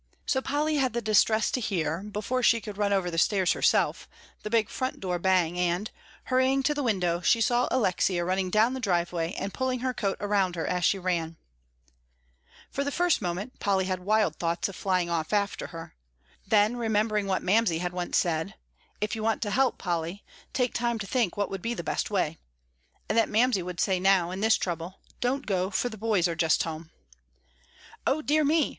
So Polly had the distress to hear, before she could run over the stairs herself, the big front door bang, and, hurrying to the window, she saw Alexia running down the driveway and pulling her coat around her as she ran. For the first moment Polly had wild thoughts of flying off after her. Then, remembering what Mamsie had once said, "If you want to help, Polly, take time to think what would be the best way," and that Mamsie would say now, in this trouble, "Don't go, for the boys are just home," "O dear me!"